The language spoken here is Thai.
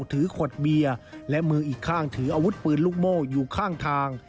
ถือขวดเบียร์และมืออีกข้างถืออาวุธปืนลูกโม่อยู่ข้างทาง